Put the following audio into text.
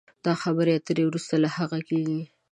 دا خبرې اترې وروسته له هغه کېږي